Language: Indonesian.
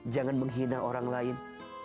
jangan menghina orang lain